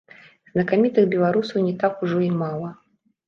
Знакамітых беларусаў не так ужо і мала.